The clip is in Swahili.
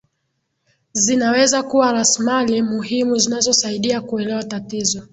zinaweza kuwa rasmali muhimu zinazosaidia kuelewa tatizo